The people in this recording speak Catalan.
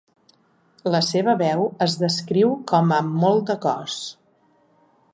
La seva veu es descriu com amb molt de cos.